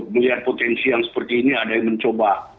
melihat potensi yang seperti ini ada yang mencoba